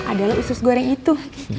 adalah usus goreng itu